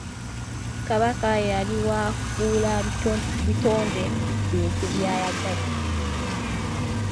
Kabaka yali wa kufuula bitonde bintu by'ayagala.